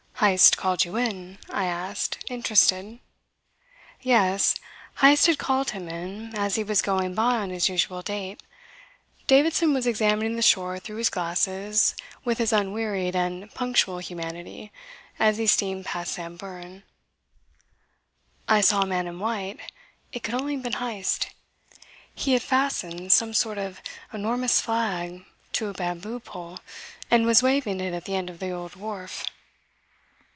"Heyst called you in?" I asked, interested. Yes, Heyst had called him in as he was going by on his usual date. Davidson was examining the shore through his glasses with his unwearied and punctual humanity as he steamed past Samburan. I saw a man in white. It could only have been Heyst. He had fastened some sort of enormous flag to a bamboo pole, and was waving it at the end of the old wharf.